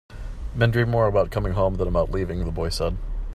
"Men dream more about coming home than about leaving," the boy said.